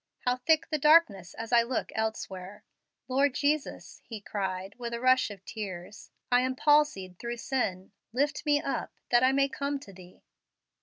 How thick the darkness as I look elsewhere. Lord Jesus," he cried, with a rush of tears, "I am palsied through sin: lift me up, that I may come to Thee."